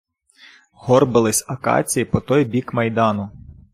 Горбились акації по той бік майдану.